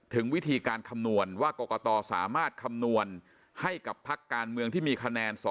ถึงวิธีการคำนวณว่ากรกตสามารถคำนวณให้กับพักการเมืองที่มีคะแนน๒